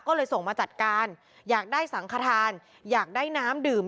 ก็เลยส่งมาจัดการอยากได้สังขทานอยากได้น้ำดื่ม